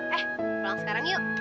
eh pulang sekarang yuk